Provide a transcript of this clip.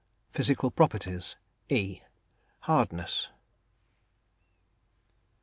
PHYSICAL PROPERTIES. E HARDNESS.